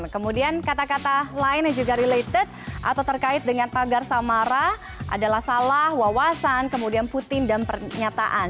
kemudian kata kata lain yang juga related atau terkait dengan tagar samara adalah salah wawasan kemudian putin dan pernyataan